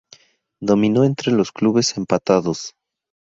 Dominio entre los clubes empatados.